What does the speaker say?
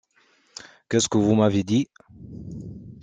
Qu'est-ce que vous m'avez dit?